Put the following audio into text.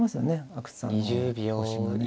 阿久津さんの方の方針がね。